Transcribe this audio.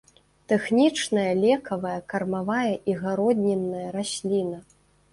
Тэхнічная, лекавая, кармавая і гароднінная расліна.